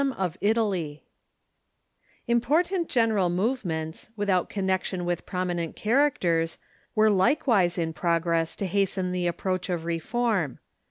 ] Important general movements, without connection with prominent characters, were likewise in progress to hasten the approach of reform.